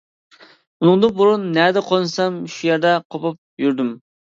ئۇنىڭدىن بۇرۇن نەدە قونسام، شۇ يەردە قوپۇپ يۈردۈم.